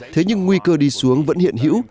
thế nhưng nguy cơ đi xuống vẫn hiện hữu